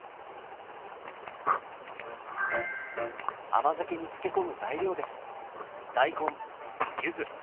甘酒に漬け込む材料です。